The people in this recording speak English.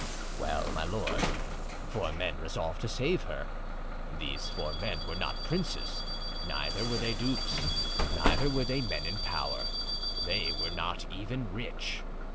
"Well, my lord, four men resolved to save her. These four men were not princes, neither were they dukes, neither were they men in power; they were not even rich.